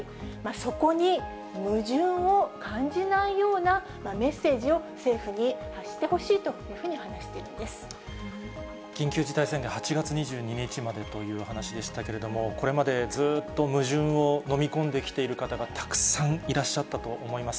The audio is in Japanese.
そこに矛盾を感じないようなメッセージを政府に発してほしいとい緊急事態宣言、８月２２日までという話でしたけれども、これまでずっと矛盾を飲み込んできている方がたくさんいらっしゃったと思います。